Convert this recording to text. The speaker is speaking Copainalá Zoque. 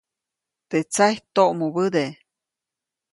Teʼ tsajy toʼmubäde.